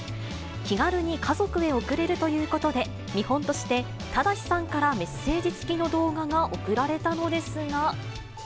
気軽に家族へ送れるということで、見本として、忠志さんからメッセージ付きの動画が送られたのですが。